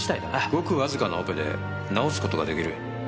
ごくわずかなオペで直す事ができる。